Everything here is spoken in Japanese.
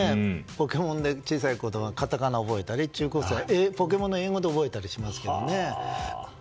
ポケモンで、小さいころはカタカナを覚えたり中高生は「ポケモン」の英語で覚えたりしますからね。